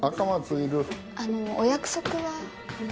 あのお約束は？